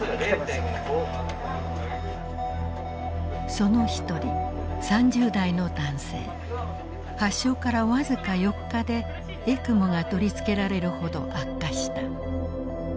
その一人発症から僅か４日でＥＣＭＯが取りつけられるほど悪化した。